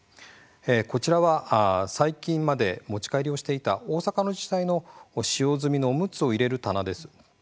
こちらは、最近まで持ち帰りをしていた大阪の自治体の使用済みのおむつを入れる棚です。